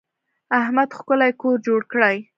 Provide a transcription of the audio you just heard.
احمد ښکلی کور جوړ کړی.